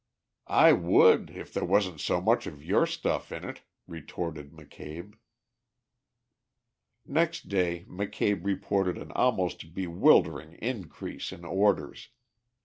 "I would, if there wasn't so much of your stuff in it," retorted McCabe. Next day McCabe reported an almost bewildering increase in orders.